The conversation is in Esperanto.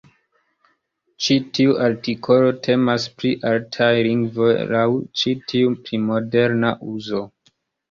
Ĉi tiu artikolo temas pri "artaj lingvoj" laŭ ĉi tiu pli moderna uzo.